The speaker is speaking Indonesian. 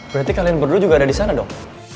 berarti kalian berdua juga ada disana dong